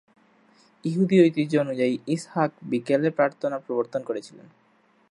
ইহুদি ঐতিহ্য অনুযায়ী, ইসহাক বিকেলে প্রার্থনা প্রবর্তন করেছিলেন।